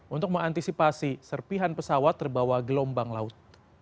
untuk mengantisipasi serpihan pesawat terbawa gelombang laut